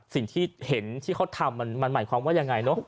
สิ่งที่เห็นที่เขาทำมันหมายความว่ายังไงเนอะ